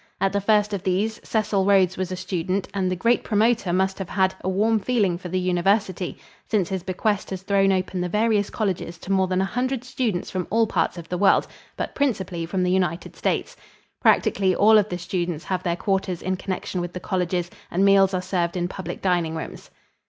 At the first of these Cecil Rhodes was a student, and the great promoter must have had a warm feeling for the University, since his bequest has thrown open the various colleges to more than a hundred students from all parts of the world, but principally from the United States. Practically all of the students have their quarters in connection with the colleges and meals are served in public dining rooms.